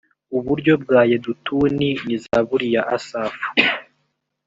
uburyo bwa yedutuni ni zaburi ya asafu